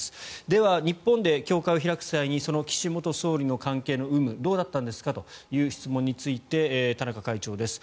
では、日本で教会を開く際にその岸元総理の関係の有無どうだったんですかという質問について田中会長です。